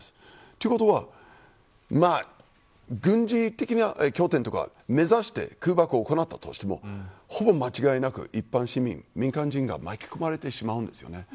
ということは、軍事的な拠点を目指して空爆を行ったとしてもほぼ間違いなく、民間人が巻き込まれてしまうのです。